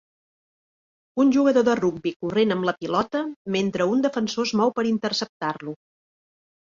Un jugador de rugbi corrent amb la pilota mentre un defensor es mou per interceptar-lo